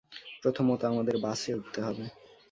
প্রথমত, আমাদের বাসে উঠতে হবে।